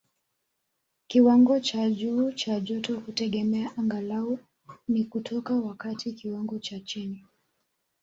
Kiwango cha juu cha joto hutegemea angalau ni kutoka wakati kiwango cha chini